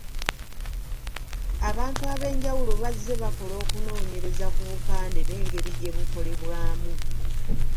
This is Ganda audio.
Abantu ab'enjawulo bazze bakola okunoonyereza ku bupande n'engeri gye bukolebwamu.